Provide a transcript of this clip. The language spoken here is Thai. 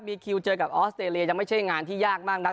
มีคิวเจอกับออสเตรเลียยังไม่ใช่งานที่ยากมากนัก